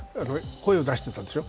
声を出していたでしょう。